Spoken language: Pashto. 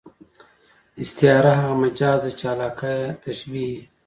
استعاره هغه مجاز دئ، چي علاقه ئې تشبېه يي.